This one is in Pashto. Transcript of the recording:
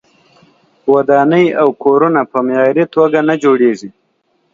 ودانۍ او کورونه په معیاري توګه نه جوړیږي.